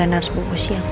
karena harus buku siang